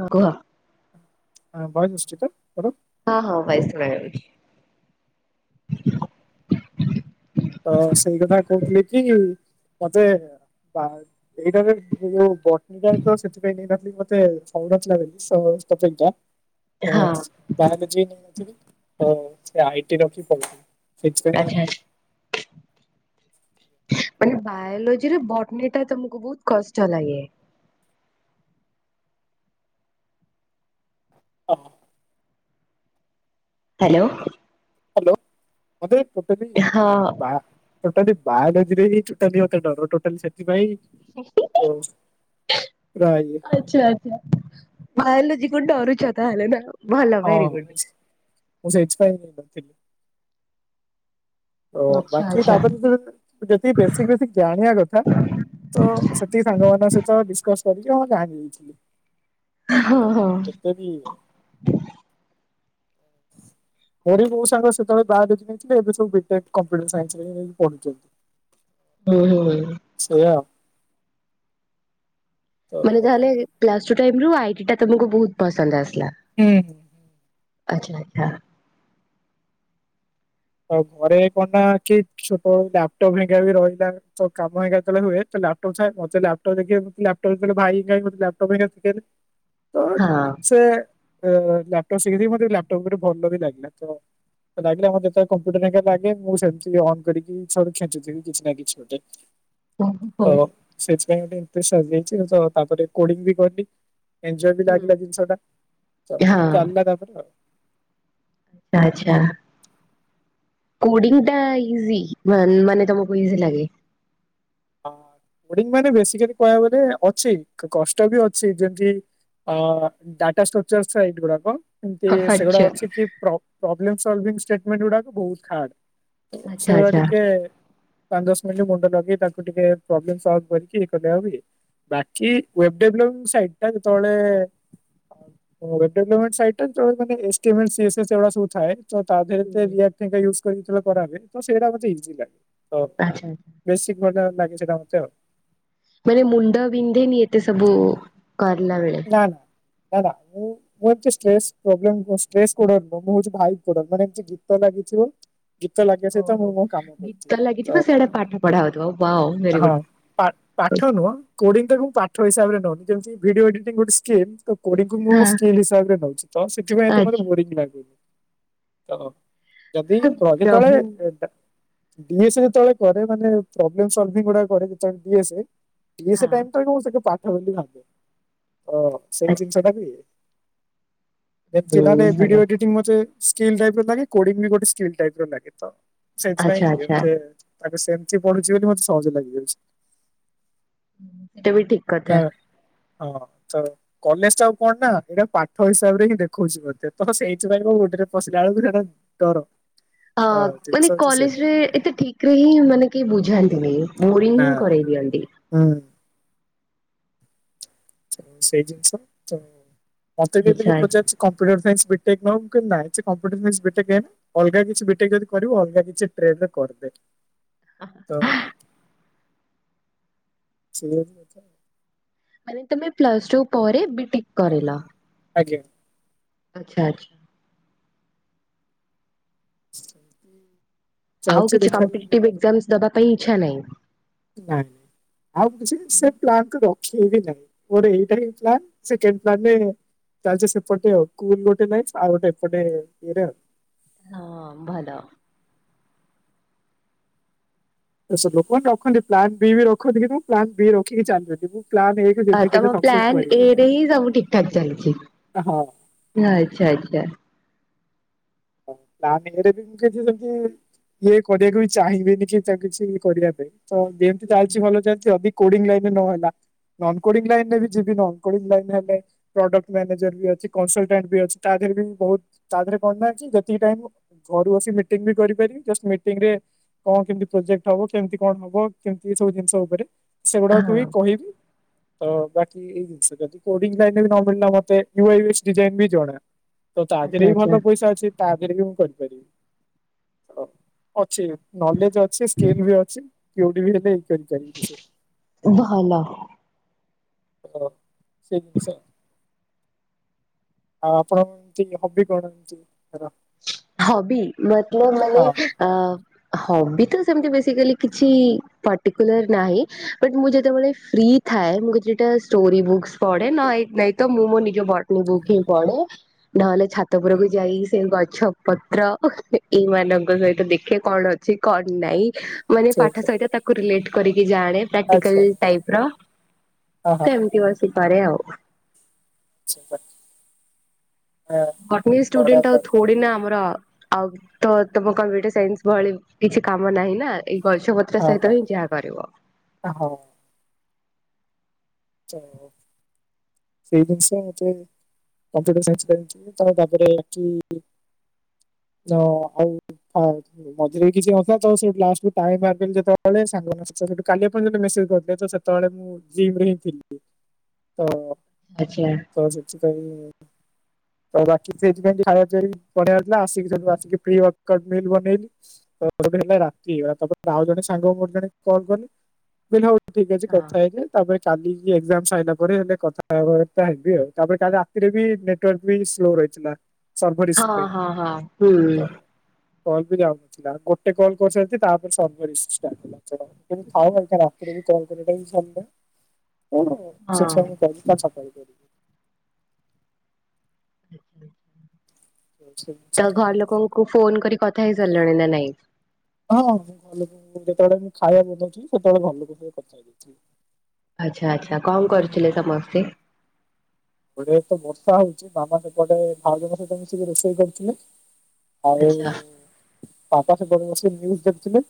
ହଁ କୁହ। [unintelligible] ହଁ, ହଁ, ବାଇସ ଗୁଡା ହେଇଚି। ତ ସେଇ କଥା କହୁଥିଲେ କି ମତେ ବାଙ୍କ୍ ଏଇଟାରେ ଯୋଉ [unintelligible] ସେଥିପାଇଁ ନେଇ ନଥିଲି ମତେ ହଉନଥିଲା ବୋଲି ତା ହଁ ହ ବାୟଲୋଜି ନେଇଥିଲି ସେ ଆଇଟି ରଖି ପଢିଲେ ସେଥିପାଇଁ ଆଚ୍ଛା ଆଚ୍ଛା। ମାନେ ବାୟୋଲୋଜି ରେ ବଟନି ଟା ତମକୁ ବହୁତ କଷ୍ଟ ଲାଗେ। ହ। ହ୍ୟାଲୋ। ହ୍ୟାଲୋ ମୋତେ ବଟାନୀ ହଁ ବା ଟୋଟାଲି ବାୟଲୋରେ ହଁ ଟୋଟାଲି ଡରୋଥିଲି ସେଥିପାଇଁ ଓ ପୁରା ଇଏ [unintelligible] ଆଚଛା ବାୟୋଲୋଜୀ କୁ ଡରୁଚ ତାହେଲେ ନା। ଭଲ ହଁ ଭେରି ଗୁଡ୍ ମୁଁ ସେଥିପାଇ ନେଇ ନଥିଲି। ଓ ଆଚ୍ଛା ବାକି ଆଚ୍ଛା ତାପରେ ଯେତିକି ବେଶିକ ବେଶିକ ଜାଣିବା କଥା। ତ ସେତିକି ସାଙ୍ଗମାନଙ୍କ ସହିତ ଡିସକସ କରିକି ହଁ ଜାଣି ଯାଇଛି। [inaudible] ଓ ହଁ ଏତିକି ପଢ଼ି ବହୁତ୍ ସାଙ୍ଗ ସେତେବେଳେ ବାୟୋଲୋଜୀ ନେଇଥିଲେ ଏବେବୁ ବିଟେକ କମ୍ପ୍ୟୁଟର ସାଇନ୍ସ ରେ ପଢୁଛନ୍ତି। [unintelligible] ସେଇଆଉ। ତ ମାନେ ହୁଁ ତାହଲେ ଆଇଟି ତମକୁ ବହୁତ ପସନ୍ଦ ଆସିଲା। ହୁଁଁ। ଆଚ୍ଛା ଆଛା। ଆଉ ଘରେ କଣ ନା କି ଛୋଟ ଲାପଟପ୍ ଘରିକା ବି ରହିଲା। ତ କାମ ହେଇକା ହୁଏ ଲପଟପ ଥାଏ ମତେ ଲପଟପ ଦେଖାଇବାକୁ ଦେ ଭାଇ ଲପଟପ [inaudible] ତ ସେ ଲାପଟପ୍ ଶିଖେଇଦିଏ ମତେ ଲାପଟପ୍ ରେ ଭଲ ବି ଲାଗିଲା ତ ଲାଗିଲା ମତେ ତ କମ୍ପୁଟର ଲାଗେ ମୁଁ ସେମତି ଅ କରିକି ଖେଚୁଥିବି କିଛି ନା କିଛି ଗୋଟେ। ହଉ ହଉ। ତ ସେଥିପାଇଁ ଗୋଟେ ଇଣ୍ଟଷ୍ଟ ଆସିଯାଇଛି ତ ତାପରେ କୋଡି ବି କରିନି। ଏଞ୍ଜୋଅୟ୍ ବି ଲାଗିଲା ଜିନିଷ ଟା ହଁ ଚାଲିଲା ତାପରେ ଆଉ। ଆଚଛା। କୋଡ଼ିଙ୍ଗ ଟା ଇଜି ମାନେ ତମକୁ ଇଜି ଲାଗେ। କୋଡିଙ୍ଗ ମାନେ ବେସିକାଲି କହିବାକୁ ଗଲେ ଅଛି କଷ୍ଟ ବି ଅଛି ଯେମତି ଅ ଡାଟା ଷ୍ଟ୍ରକ୍ଚର୍ ଏଇଟ ଗୁଡାକ। ଏମତି ଆଚ୍ଛା ସେଗୁଡା ଆଚ୍ଛା ଅଛି କି ପ୍ରବ୍ଲେମ୍ ସଲଭିଂ ଷ୍ଟେଟମେଣ୍ଟ ଗୁଡାକ ବହୁତ ଖାନ୍ ସେଇଭଳିଆ ଆଚ୍ଛା ଆଚ୍ଛା। ଟିକେ ପାଞ୍ଚ ଦସ୍ ମିନିଟ ମୁଣ୍ଡ ଲଗେଇ ତା କୁ ଟିକେ ପ୍ରବ୍ଲେଭ ସଲଭ କରିକି [unintelligible] ବାକି ୱେବ୍ ଡେଭଲପିଂ ସାଇଟ ଟା ଯେତେବେଳେ ହବ ଡଲପମେଟ ସାଇଟଏ ସବୁ ଏ [unintelligible] [unintelligible] ତ ସେଇଟା ଇଜି ଲାଗେ। ଆଚ୍ଛା। ବେଶିକ [unintelligible] ଆଉ। ମାନେ ମୁଣ୍ଡ ବିନ୍ଧେନି ଏତେ ସବୁ କରଲା ବେଳେ। [unintelligible] ମୁଁ ଏ ମୁଁ ହଉଛି ଭାଇ ମାନେ ଏମ ଗୀତ ଲାଗିଥିବ ଗୀତ ଲାଗେ ସହିତ ମୁଁ ଓହୋ। ମୋ କାମ ଗୀତ କରୁଥିବି ଲାଗିଥିବ ତ ସେଆଡେ ପାଠ ପଢା ହଉଥିବ ୱାଓ ଭେରି ହଁ ଗୁଡ୍ ପର୍ଟ ହଁ ପାଠ ନୁହଁ କୋଡିଂ ଟାକୁ ପାଠ ହିସାବରେ ନେଉ ଯେମିତି ଭିଡିଓ ଏଡିଟିଂ ଗୋଟେ ସ୍କିଲ। ତ କୋଡିଂକୁ ମୁଁ ସ୍କିଲ୍ ହିସାବରେ ନଉଛି ତ ସେଥିପାଇଁ ଏ ମତେ ଆଚ୍ଛା ବୋରିଙ୍ଗ ଲାଗୁନି। ତ ଯଦି ତ ପ୍ରଭୁ ଯେତେବେଳେ ଡିଏସେ ଯେତେବେଳେ କରେ ମାନେ ପ୍ରୋବ୍ଲେମ ସଲଭିଙ୍ଗ ଗୁଡା କରେ ଯେତେବେଳେ ଡିଏସେ ଡ଼ିଏସ ହଁ ଟାଇମଟା କୁ ସେଠୁ ପାଠ ବୋଲି ଭାବେ ଅ ସେଇ ଆଚ୍ଛା ଜିନିଷ ଟା ବି ହୁଏ। ଯେମତି ମାନେ ହୁଁ ଭଲ ଭିଡିଓ ଏଡିଟିଂ ମତେ ସ୍କିଲ୍ ଟାଇପ ର ଲାଗେ କୋଡିଙ୍ଗ ବି ଗୋଟେ ସ୍କିଲ୍ ଟାଇପ ର ଲାଗେ ତ ଆଚ୍ଛା ସେଇଥିପାଇଁ ଆଚ୍ଛା ଏତେ ତାକୁ ସେମତି ପଢୁଛି ବୋଲି ମତେ ସହଜ ଲାଗିଯାଉଛି। ହେଟା ବି ଠିକ ନା କଥା। ହଁ ତ କଲେଜଟାକୁ କଣନା ଏଟା ପାଠ ହିସାବରେ ହିଁ ଦେଖଉଛି ମୋତେ ତ ସେଇଥିପାଇଁ ମୁଁ ମଣ୍ଡରେ ପଶିଲା ବେଳକୁ ହେଟା ଟର ଅ ମାନେ କଲେଜରେ ଏତେ ଠିକ ରେ ହିଁ ମାନେ କେହି ବୁଝାନ୍ତିନି। ବୋରିଂ ନା ହିଁ କରେଇ ଦିଅନ୍ତି। ହୁଁ। ସେଇ ଜିନିଷ ତ ମତେ ବି ଆଚ୍ଛା ଏମିତି ପଚାରିଛି। କମ୍ପୁଟର ସାଇନ୍ସ ବିଟେନଉନୁ ମୁଁ କହିଲି ନାଇଁ ସେ କମ୍ପ୍ୟୁଟର ସାଇନ୍ସ ବିଟେକେ ଏ ନା ଅଲଗା କିଛି ବିଟେକେ ଯଦି କରିବ ଅଲଗା କିଛି ଟ୍ରେଡ୍ ରେ କରିଦେ ତ ସେଇଆ ତ କଥା। ମାନେ ତମେ ପ୍ଲସ୍ ଟୁ ପରେ ବିଟେକ କରିଲ। ଆଜ୍ଞା। ଆଚ୍ଛା ଆଛା। [unintelligible] ଆଉ ଚାଲିଛି କିଛି ଦେଖାଯାଉ ଯଦି କମ୍ପିଟିଟେଭ ଏକ୍ସାମ ଦେବା ପାଇଁ ଇଛା ନାହିଁ? ନାଇଁ। ଆଉ ବି କିଛି ସେ ପ୍ଲାଣ୍ଟରେ ରଖିବେ କି ନାଇଁ ମୋର ଏଇଟା ହିଁ ପ୍ଲାନ ସେ କେମତି ମାନେ ତାର ସେପଟେ କୁଲ ଗୋଟେ ନାଇ ଆଉ ଗୋଟେ ଏପଟେ ଇଏରେ ଆଉ। ହଁ ଭଲ। ସବ ଲୋକମାନେ ରଖନ୍ତି ପ୍ଲାନ୍ ବି ରଖନ୍ତି କିନ୍ତୁ ମୁଁ ପ୍ଲାନ୍ ବି ରଖିକି ଚାଲିିବି ମୁଁ ପ୍ଲାନ୍ ଏ କୁ ଆ ଯେମିତି ହେଲେ ସକ୍ସେସ୍ ପ୍ଲାନ କରିବି ଏରେ ହିଁ ସବୁ ଠିକଠାକ ହଁ ଚାଲିଛି ଆଚ୍ଛା ଆଚ୍ଛା। ପ୍ଲାନ ଏରେ ବି ମୁଁ ସେଇଥିରେ ସେମିତି ବିଏ କରିବାକୁ ବି ଚାହିଁବିନି କି ତାଙ୍କୁ କିଛି କରିବା ପାଇଁ ତ ଯେମିତି ଚାଲିଛି ଭଲ ଚାଲିଛି ଅଧିକ କୋଡିଂ ଲାଇନରେ ନହେଲା ନନ୍ କୋଡିଂ ଲାଇନ ରେ ଯିବି ନ କୋଡ଼ିଂ ଲାଇନ ହେଲେ ପ୍ରଡକ୍ଟ ମ୍ୟାନେଜର ବି ଅଛି କନସୋଲଟାଣ୍ଟ ବି ଅଛି ତା ଦେହରେ ବି ବହୁତ୍ ତାଦେହରେ କଣ ଯେତିକି ଟାଇମ ମୁଁ ଘରୁ ଆସି ମିଟିଂ ବି କରିପାରିବି ଜଷ୍ଟ ମିଟିଂ ରେ କଣ କେମିତି ପ୍ରୋଜେକ୍ଟ ହବ କେମିତି କଣ ହବ କେମତି ଏ ସବୁ ଜିନିଷ ଉପରେ ସେଗୁଡାକୁ ବି କହିବି। ତ ବାକି ଏଇ ଜିନିଷ ଯଦି କୋଡିଂ ଲାଇନ ନ ମିଳିଲା ମତେ ୟୁଆଇସ ଡିଜାଇନ ବି ଜଣା। ତ ତା ଦେହରେ ବି ଭଲ ପଇସା ଅଛି ତା ଦେହରେ ବି ମୁଁ କରିପାରିବି। ଅଛି ନଲେଜ୍ ଅଛି ସ୍କିଲ୍ ବି ଅଛି କେଉଠି ବି ହେଲେ। [unintelligible] ଭଲ ଆଉ ସେ ଜିନିଷ। ହଁ ଆପଣ ଏମିତି ହବି କଣ ଏମତି [unintelligible] ହବି ମତଲବ୍ ମାନେ ହଁ ହଁ ଅ ହବି ତ ସେମିତି ବେଶିକାଲି କିଛି ପଟିକୁଲାର୍ ନାହିଁ ବଟ୍ ମୁଁ ଯେତେବେଳେ ଫ୍ରି ଥାଏ। ମୁଁ କେତେଟା ଷ୍ଟୋରି ବୁକ୍ସ ପଢେ ନ ନାଇ ମୁଁ ମୋ ନିଜ ବଟ୍ନି ବୁକ୍ ହିଁ ପଢେ। ନହେଲେ ଛାତଉପୁରକୁ ଯାଇ ସେ ଗ ଛପତ୍ର ଏଇ ମାନଙ୍କ ସହିତ ଦେଖେ କଣ ଅଛି କଣ ନାଇଁ। ମାନେ ପାଠ ଆଚ୍ଛା ସହିତ ତାକୁ ରିଲେଟ୍ କରିକି ଜାଣେ। ଆଚ୍ଛା ପ୍ରାକ୍ଟିକାଲ ଟାଇପ୍ ର ଆଚ୍ଛା ସେମିତି ବସି କରେ ଆଉ। [inaudible] ବଟନି ବଢିଆ ଷ୍ଟୁଡେଣ୍ଟ ଆଉ ତାହେଲେ। ଥୋଡି ନା ଆମର ଆଉ ତ ତମ କମ୍ପ୍ୟୁଟର ସାଇନ୍ସ ଭଳି କିଛି କାମ ନାହିଁ ନା ଏଇ ଗଛ ଗଛ ସହିତ ବି ଯାହା କରିବ। ଓ ହୋଉ। ତ ସେଇ ଜିନିଷ ମତେ କମ୍ପୁଟର ସାଇନ୍ସ କରିଛ ତମେ ତାପରେ ଏଠି ହଁ ଆଉ ହଁ। ମଝିରେ କିଛିନଥିଲା ତ ସେଠୁ ଲାଷ୍ଟକୁ ପାଣି ମାରିଦେଲି ଯେତେବେଳେ ସାଙ୍ଗମାନଙ୍କ ସହିତ ସେଇଠୁ କାଲି ଆପଣ ଯେତେବେଳେ ମେସେଜ ସେତେବେଳେ ମୁଁ ଜିମ୍ ରେ ହିଁ ଥିଲି ତ ଆଛା। ତ ସେଥିପାଇଁ ଆଉ ବାକି ସେଇଥିପାଇଁ ଖାଇବା [unintelligible] ଆସିକି ସେଠୁ ଆସିକି [unintelligible] ବନେଇଲୁ। ତ ହେଲା ରାତି ତାପରେ ଆଉ ଜଣେ ସାଙ୍ଗକୁ ମୋର ଜଣେ କଲ୍ କଲି। ମୁଁ କହିଲି ହଉ ଠିକ୍ ଅଛି ହଁ କଥା ହେଇଯାଏ ତାପରେ କାଲିକି ଏକ୍ଜାମ ସାଇଲା ପରେ ହେଲେ କଥାବାର୍ତ୍ତା ହେବି ଆଉ ତାପରେ କାଲି ରାତିରେ ବି ନେ ୱାର୍କ୍ ବି ସ୍ଲୋ ରହିଥିଲା ସର୍ଭର୍ ଇସ୍ୟୁ ହଁ ପାଇଁ ହଁ ହଁ ହୁଁ ତ। କଲ୍ ବି ଯାଉନଥିଲା ଗୋଟେ କଲ୍ କରିସାରିଚି ତାପରେ ସର୍ଭର୍ ଇସ୍ୟୁ ଷ୍ଟାର୍ଟ ହେଲା। ଥାଉ ଏଇଟା ରାତିରେ ବି କଲ୍ କରିବା ଟା ଵି ସମ୍ଭବ ନୁହେଁ। ହଁ। [unintelligible] ଆଛା। ତ ଘର ଲୋକଙ୍କୁ ଫୋନ୍ କରି କଥା ହେଇ ସାରିଲଣି ନା ନାଇଁ। ହଁଁ ମୁଁ ଘର ଲୋକକୁ ଯେତେବେଳେ ମୁଁ ଖାଇବାକୁ ବନଉଥିଲି ସେତେବେଳେ ଘରଲୋକଙ୍କ ସହ କଥା ହେଇଯାଇଥିଲି। ଆଛା ଆଛା କଣ କରୁଥିଲେ ସମସ୍ତେ? ଗୋଟେ ତ ବର୍ଷା ହଉଛି ମାମା ସେପଟେ ଭାଉଜଙ୍କ ସହିତ ମିଶିକି ରୋଷେଇ କରୁଥିଲେ। ଆଉ ଆଚ୍ଛା ବାପା ସେପଟେ ବସି ନ୍ୟୁଜ ଦେଖୁଥିଲେ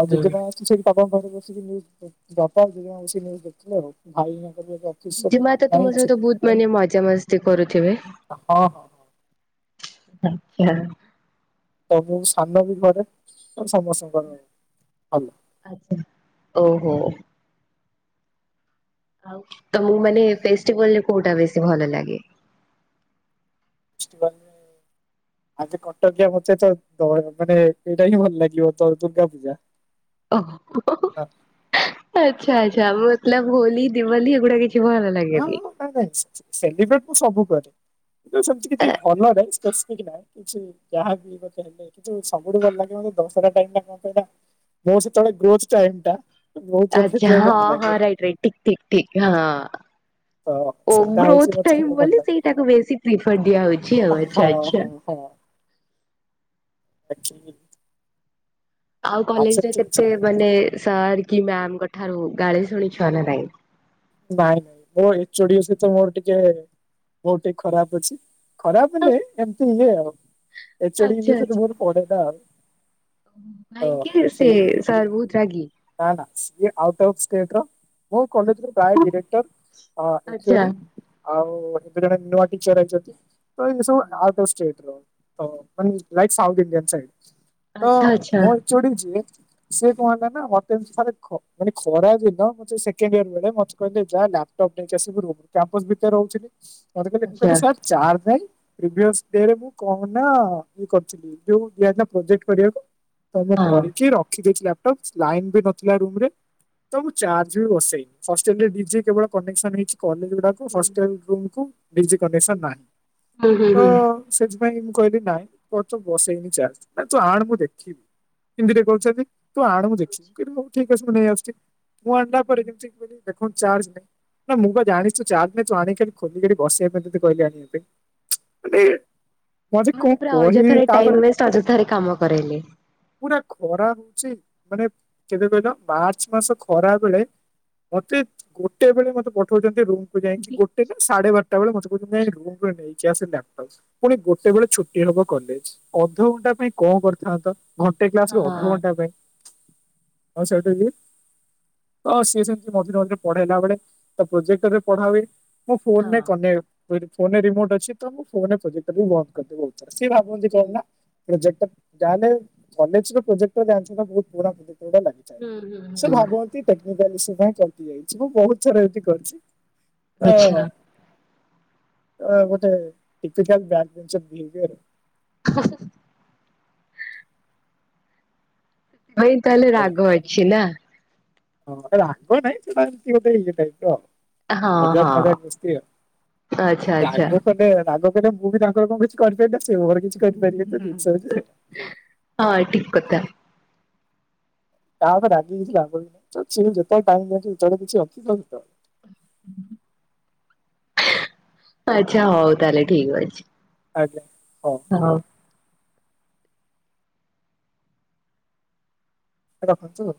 ଆଉ ହୁଁ। ଜେଜେମା ସେଠି ବାପାଙ୍କ ପାଖରେ ବସିକି ନ୍ୟୁଜ ବାପା ଜେଜେମା ବସିକି ନ୍ୟୁଜ ଦେଖୁଥିଲେ। ଆଉ ଭାଇନାଙ୍କ ର ବି ଆଜି ଜେଜେମା ତ ତୁମ ସହିତ ବହୁତ ମାନେ ମଜାମସ୍ତି କରୁଥିବେ। ହଁ ହଁ। ହଁ ଆଛା। ତ ମୁଁ ସାନ ବି ଘରେ ତ ସମସ୍ତଙ୍କର ଭଲ। ଆଛା ଓହୋ। ଆଉ ତମକୁ ମାନେ ଫେଷ୍ଟିଭାଲରେ କୋଉଟା ବେଶୀ ଭଲ ଲାଗେ? [unintelligible] ଆଗେ କଟକିଆ ପଚାରୁଚ ତ ମାନେ ଏଇଟା ହିଁ ଭଲ ଲାଗିବ ତ ଦୁର୍ଗା ପୂଜା। ଓହୋ। ଆଛା ଆଛା ମତଲବ୍ ହୋଲି ଦିୱାଲି ଏଗୁଡା କିଛି ଭଲ ହଁ ଲାଗେନି। ହଁ ନାଇଁ ନାଇଁ ସେଲିବ୍ରେଟ ତ ସବୁ କରେ କିନ୍ତୁ ସେମିତି ଆ କିଛି ଭଲ ନାଇଁ ସ୍ପେସିପିକ ନାଇଁ। କିଛି ଯାହା ବି ହେଲେ କିନ୍ତୁ ସବୁଠୁ ଭଲ ଲାଗିବ ମତେ ଦଶରା ଟାଇମ ମୁଁ ସେତେବେଳେ ଗ୍ରୋଥ ଟାଇମ ଟା ବହୁତ ମତେ ଆଛା ସେଥିପାଇଁ ହଁ ଭଲ ହଁ ଲାଗେ ରାଇଟ୍ ରାଇଟ୍ ଠିକ୍ ଠିକ୍ ଠିକ୍ ହଁ। ତ ଓ ସେଇଟା ହଉଛି ଗ୍ରୋଥ ମତେ ଟାଇମ୍ ସବୁଠୁ ଭଲ ବୋଲି ଲାଗେ। ସେଇଟାକୁ ବି ବେଶୀ ପ୍ରୀଫର ଦିଆହଉଛି ଆଉ ଆଛା ହଁ ଆଛା। ହଁ [inaudible] ଆଛି ଯିବ। ଆଉ କଲେଜରେ ସେମିତି କିଛି କେତେ ମାନେ ସାର୍ କି ମ୍ୟାମଙ୍କ ଠାରୁ ଗାଳି ଶୁଣିଛ ନା ନାଇଁ? ନାଇଁ ନାଇଁ ମୋ ଏଚୋଡି ସହିତ ମୋର ଟିକେ ବୋତ ଟିକେ ଖରାପ ଅଛି। ଖରାପ ନାଇଁ ଏମିତି ହୁଏ ଆଉ ଆଚ୍ଛା ଏଚଡିଙ୍କ ସହିତ ମୋର ପଡେନା ଆଉ। ଓହୋ ହୋ ତ ନାଇଁକି ସେ ସେଇ ସାର୍ ବହୁତ ରାଗି? ନା ନା ସିଏ ଆଉଟ ଅଫ୍ ଷ୍ଟେଟ୍ ର ମୁଁ କ ପ୍ରାୟ ଡିରେକ୍ଟର ଅ ଆଚ୍ଛା। ଏଚଡି। ଆଉ କେତେଜଣ ନୂଆ ଟିଚର ରହିଛନ୍ତି ତ ଏମିତି ସବୁ ଆଉଟ୍ ଅଫ୍ ଷ୍ଟେଟ୍ ର। ତ ମାନେ ଲାଇଟ ସାଉଥ ଇଣ୍ଡିଆନ ସାଇଟ୍ ତ ଆଚ୍ଛା ଆଚ୍ଛା ମୋ ଏଚୋଡି ଯିଏ ସେ କଣ ହେଲାନା ମତେ ଏମିତି ଥରେ ଖ ମାନେ ଖରା ଦିନ ମତେ ସେକେଣ୍ଡ ଇୟର ବେଳେ ମ କହିଲେ ଯା ଲାପଟପ୍ ନେଇକି ଆସିବୁ ରୁମ୍ ରୁ କ୍ୟାମ୍ପସ ଭିତରେ ରହୁଛିଲି ମତେ କହିଲେ ମୁଁ ଆଚ୍ଛା କିଲି ସାର୍ ଚାର୍ଜ ନାଇଁ ପ୍ରିଭିୟସ ଡେରେ ମୁଁ କଣ ନା ଇଏ କରଥିଲି। ଯୋଉ ଦିଆଥିଲା ପ୍ରୋଜେକ୍ଟ କରିବାକୁ ତ ମୁଁ ହଁ। କରିକି ରଖି ଦେଇଥିଲି ଆପ ଟପ୍ ଲାଇନ୍ ବି ନଥିଲା ରୁମ୍ ରେ ତ ମୁଁ ଚାର୍ଜ ବି ବସେଇନି ହ ଚନି ଡିଜେ କେବଳ କନେସନ ହେଇଛି କଲେଜ ଗୁଡାକୁ ହଷ୍ଟେଲ ରୁମ୍ କୁ ଡିଜି କନେକସ ନାହଁ ହୁଁ ହୁଁ ତ ହୁଁ ସେଥିପାଇଁ ମୁଁ କହିଲି ନାଇଁ ତର ତ ବସେଇନି ଚାର୍ଜ ନାଁ ତୁ ଆଣ ମୁଁ ଦେଖିବି। ହିନ୍ଦି ରେ କହୁଛନ୍ତି। ତୁ ଆଣ ମୁଁ ଦେଖିବି ମୁକହିଲି ହଉ ଠିକ ମୁଁ ନେଇ ଆସୁଛି ମୁଁ ଆଣିଲା ପରେ ଯେମିତି କହିଲି ଦେଖନ୍ତୁ ଚାର୍ଜ ନାହିଁ। ନା ମୁଁ ବା ଜାଣିଛୁ ଚାର୍ଜ ନାହିଁ ତୁ ଆଣି ଖାଲି ଖୋଲିିକି ଏଠି ବସିବା ପାଇଁ ତତେକହିଲି ଆଣିବା ପାଇଁ। ମାନେ ମତେ କଣ ମାନେ ପୁରା କହିବି ଅଯଥାରେ ଟାଇମ ତାପରେ ୱଷ୍ଟ ଅଯଥାରେ କାମ କରାଇଲେ। ପୁରା ଖରା ରହୁଛି ମାନେ କେବେ କହିଲ ମାର୍ଚ୍ଚ ମାସ ଖରା ବେଳେ ମତେ ଗୋଟେ ବେଳେ ମତେ ପଠଉଛନ୍ତି ରୁମକୁୁ ଯାଇକି ଗୋଟେ ନା? ସାଢେ ବାରଟା ବେଳେ ମତେ କହୁଛନ୍ତି ଯାଇଁକି ରୁମ ରୁ ନେଇକି ଆସ ଲ୍ୟାପଟପ୍। ପୁଣି ଗୋଟେ ବେଳେ ଛୁଟି ହବ କଲେଜ ଅଧଘଣ୍ଟା ପାଇଁ କଣ କରିଥାନ୍ତ? ଘଣ୍ଟେ କ୍ଲାସ ରେ ଅଧ ହଁ ଘଣ୍ଟା ପାଇଁ ଆଉ ସାର୍ କହିଲେ ଅ ସିଏ ସେ ମଝିରେ ମଝିରେ ପଢେଇଲା ବେଳେ ତ ପ୍ରୋଜେକ୍ଟରେ ପଢା ହୁଏ ମୋ ହଁ। ଫୋନରେ କନେ ଫୋନରେ ରିମୋଟ ଅଛି ତ ମୁଁ ଫୋନୋଟ ପ୍ରୋଜେକ୍ଟ ବନ୍ଦ କରିଦବି ୟା ଭିତରେ ସିଏ ଭାବନ୍ତି ହୁଁ କଣ ନା? ପ୍ରୋଜେକ୍ଟ ଯାହେଲେ କଲେଜରେ ପ୍ରୋଜେକ୍ଟ ବନ୍ଦ ହେବା ବହୁତ ପୁରୁଣା ପ୍ରୋଜେକ୍ଟ ଗୋଟା ଲାଗେ। ହୁଁ ହୁଁ ସେ ହୁଁ। ଭାବନ୍ତି ଟେକ୍ନିକାଲ ଇସୁ ପାଇଁ କଟି ଯାଇଛି ମୁଁ ବହୁତ ଥର ଏମିତି କରିଛି। ଅ ଆଚ୍ଛା ହ ଅ ଗୋଟେ ଡିଫିକଲ୍ ବ୍ୟାଣ୍ଡ ଜିନିଷ ବିହେବିୟର। [unintelligible] ଭାଇ ତାହେଲେ ରାଗ ଅଛି ନା? ହଁ ରାଗ ନାଇଁ ସେଟା ଏମତି ଗୋଟେ ଇଏ ଟାଇପ୍ ର। ହଁ ମଜାକ ହଁ। ମଜାକ ଦୋସ୍ତି ଆଉ ଆଚ୍ଛା ଆଚ୍ଛା ରାଗ କଲେ ରାଗ ନାଁ ମୁଁ ବି ତାଙ୍କର କଣ କିଛି କରିପାରିବି ନା ସେ ମୋର କିଛି କରିପାରିବେ ତ ଜିନିଷ ହଉଛି ସେଇଆ। ହଁ ଠିକ୍ କଥା। ତାରେ ରାଗି କିଛି ଲାଭ ବି ନାଇଁ ଛି ଯେତେଳେ ଟାଇମ୍ [unintelligible] [unintelligible] ଆଚ୍ଛା ହଉ ତାହେଲେ ଠିକ ଅଛି। ଆଜ୍ଞା ହଁ। ହଉ। ରଖନ୍ତୁ।